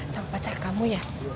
sama pacar kamu ya